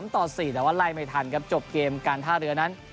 ต่อ๔แต่ว่าไล่ไม่ทันครับจบเกมการท่าเรือนั้น